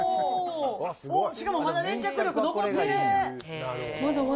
しかもまだ粘着力残ってる。